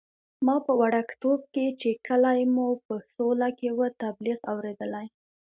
ما په وړکتوب کې چې کلی مو په سوله کې وو، تبلیغ اورېدلی.